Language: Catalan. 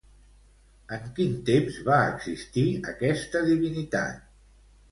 En quin temps va existir aquesta divinitat?